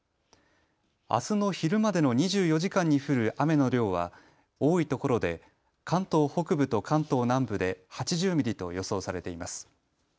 あすの昼までの２４時間に降る雨の量は多いところで関東北部と関東南部で８０ミリと予想されています。